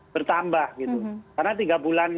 bertambah karena tiga bulan